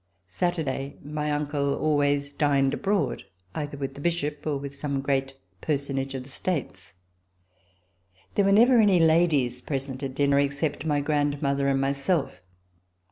Saturday my uncle always dined abroad, either with the Bishop or with some great personage of the States. There were never any ladies present at dinner, except my grandmother and myself.